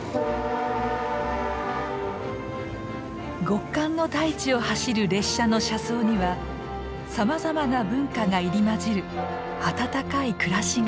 極寒の大地を走る列車の車窓にはさまざまな文化が入り混じる温かい暮らしがあった。